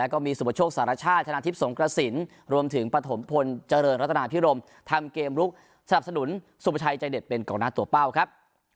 กระสินรวมถึงประถมพลเจริญรัตนาพิรมทำเกมลุกสนับสนุนส่วนประชายใจเด็ดเป็นกล่องนัดตัวเป้าครับ